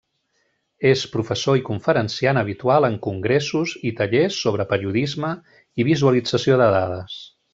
És professor i conferenciant habitual en congressos i tallers sobre periodisme i visualització de dades.